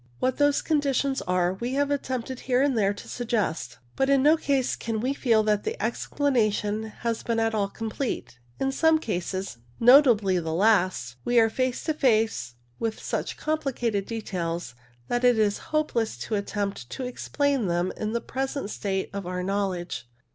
What those conditions are we have attempted here and there to suggest, but in no case can we feel that the explanation has been at all complete. In some cases, notably the last, we are face to face with such complicated details that it is hopeless to attempt to explain them in the present state of our knowledge.